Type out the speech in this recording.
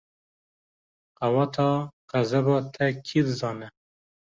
Qeweta xezeba te kî dizane?